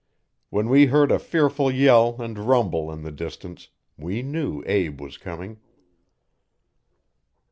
When we heard a fearful yell and rumble in the distance, we knew Abe was coming.